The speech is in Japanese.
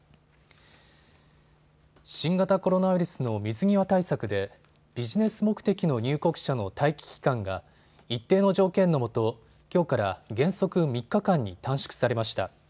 新型コロナウイルスの水際対策でビジネス目的の入国者の待機期間が一定の条件のもと、きょうから原則３日間に短縮されました。